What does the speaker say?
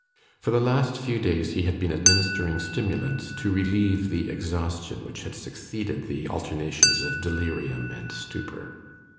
For the last few days he had been administering stimulants to relieve the exhaustion which had succeeded the alternations of delirium and stupor.